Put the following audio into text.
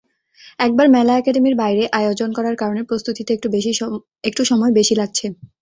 এবার মেলা একাডেমির বাইরে আয়োজন করার কারণে প্রস্তুতিতে একটু সময় বেশি লাগছে।